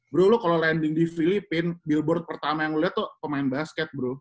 bro lu kalo landing di filipina billboard pertama yang lu lihat tuh pemain basket bro